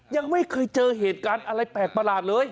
ยังไม่เคยเจอเหตุการณ์อะไรแปลกประหลาดเลย